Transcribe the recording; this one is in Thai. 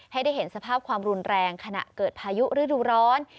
ให้ได้เห็นสภาพความรุนแรงขณะเกิดพายุฤดูร้อน